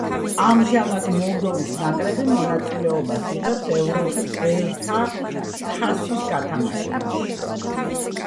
ამჟამად მოლდოვის ნაკრები მონაწილეობას იღებს ევროპის ერთა თასის გათამაშებაში.